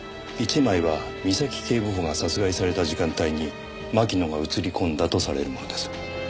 １枚は見崎警部補が殺害された時間帯に槙野が映り込んだとされるものです。